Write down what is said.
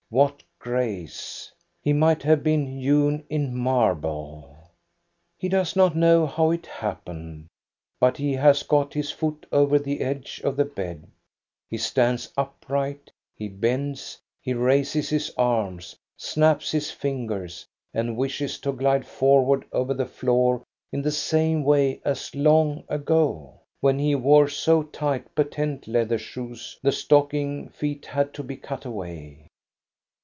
What grace ! He might have been hewn in marble. He does not know how it happened, but he has got his foot over the edge of the bed, he stands upright, he bends, he raises his arms, snaps his fingers, and wishes to glide forward over the floor in the same way as long ago, when he wore so tight patent leather shoes the stocking feet had to be cut away.